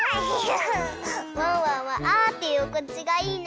ワンワンはあっていうおくちがいいね。